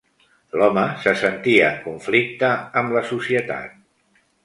L'home se sentia en conflicte amb la societat.